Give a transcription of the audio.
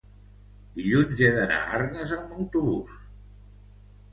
dilluns he d'anar a Arnes amb autobús.